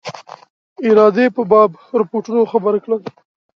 ارادې په باب رپوټونو خبر کړل.